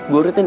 gua urutin ya